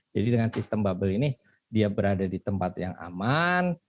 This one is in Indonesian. jadi dengan sistem bubble ini dia berada di tempat yang aman